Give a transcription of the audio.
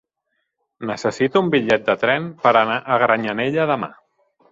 Necessito un bitllet de tren per anar a Granyanella demà.